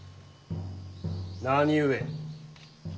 何故？